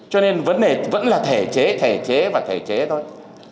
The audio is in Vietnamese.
cho nên vấn đề vẫn là thể chế thể chế và thể chế thôi